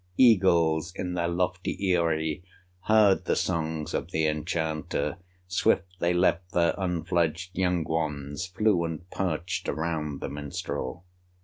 Eagles in their lofty eyrie Heard the songs of the enchanter; Swift they left their unfledged young ones, Flew and perched around the minstrel.